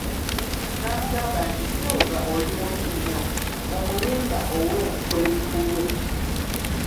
N'amugamba nti Silver oli mubi nnyo, omulimba ow'enkwe lukulwe.